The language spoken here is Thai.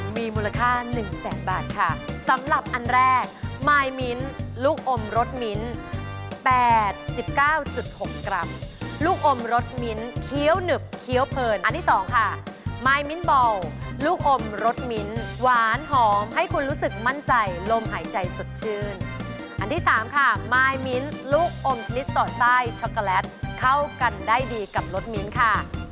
มีมูลค่าหนึ่งแสนบาทค่ะสำหรับอันแรกมายมิ้นลูกอมรสมิ้น๘๙๖กรัมลูกอมรสมิ้นเคี้ยวหนึบเคี้ยวเพลินอันที่สองค่ะมายมิ้นบอลลูกอมรสมิ้นหวานหอมให้คุณรู้สึกมั่นใจลมหายใจสดชื่นอันที่สามค่ะมายมิ้นลูกอมชนิดต่อไส้ช็อกโกแลตเข้ากันได้ดีกับรสมิ้นค่ะ